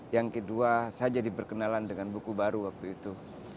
yang kedua saya jadi berkenalan dengan buku baru waktu itu